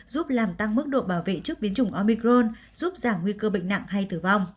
giúp làm tăng mức độ bảo vệ trước biến chủng omicron giúp giảm nguy cơ bệnh nặng hay tử vong